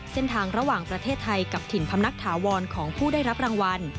เส้นทางระหว่างประเทศไทยกับถิ่นพำนักถาวรของผู้ได้รับรางวัล